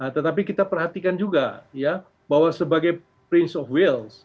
tetapi kita perhatikan juga bahwa sebagai prince of wales